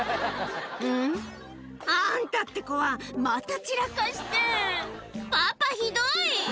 ん？あんたって子は、また散パパ、ひどい。